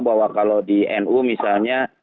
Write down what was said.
bahwa kalau di nu misalnya